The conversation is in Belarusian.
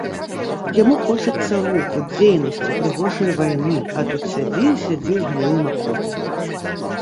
Яму хочацца руху, дзейнасці, прыгожае вайны, а тут сядзі і сядзі ў гнілым акопе.